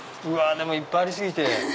でもいっぱいあり過ぎて。